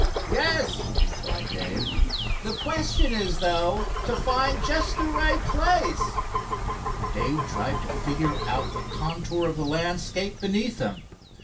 "Yes," replied Dave. "The question is, though, to find just the right place." Dave tried to figure out the contour of the landscape beneath them.